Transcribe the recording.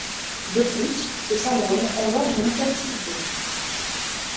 De plus, ce syndrome engendre une infertilité.